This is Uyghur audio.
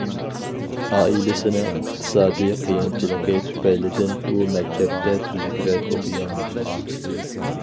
ئائىلىسىنىڭ ئىقتىسادىي قىيىنچىلىقى تۈپەيلىدىن ئۇ مەكتەپتە تۈزۈكرەك ئوقۇيالمىدى.